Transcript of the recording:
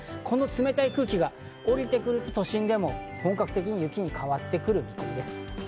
この冷たい空気が降りてくると都心でも本格的に雪に変わってくる見込みです。